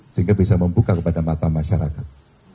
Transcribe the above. sehingga bisa membuka kepada mata masyarakat